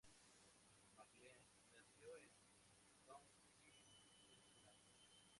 McLean nació en Townsville, Queensland.